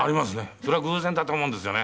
そりゃ偶然だと思うんですよね。